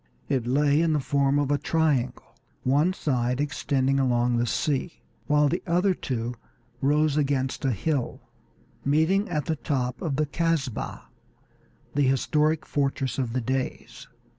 It lay in the form of a triangle, one side extending along the sea, while the other two rose against a hill, meeting at the top at the Casbah, the historic fortress of the Deys.